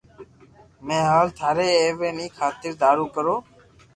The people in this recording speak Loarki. ۾ ھال ٿاري ايويي خاتر دارو ڪرو